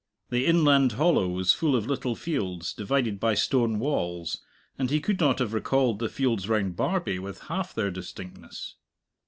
The inland hollow was full of little fields, divided by stone walls, and he could not have recalled the fields round Barbie with half their distinctness.